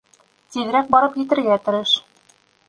Тиҙерәк барып етергә тырыш.